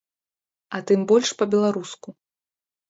А тым больш па-беларуску.